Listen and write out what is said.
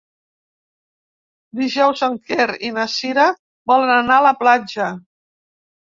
Dijous en Quer i na Cira volen anar a la platja.